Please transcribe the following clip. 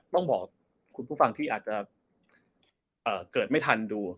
ต้องบอกคุณผู้ฟังที่อาจจะเกิดไม่ทันดู